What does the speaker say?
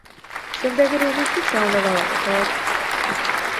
შემდეგი რიგისთვის რა უნდა გავაკეთოთ?